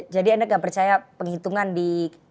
jadi anda tidak percaya penghitungan di it kpu ya